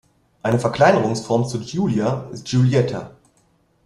Eine Verkleinerungsform zu Giulia ist "Giulietta".